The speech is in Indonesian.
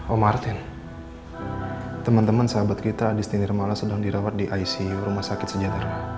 oh martin teman teman sahabat kita di sti nirmala sedang dirawat di icu rumah sakit sejahtera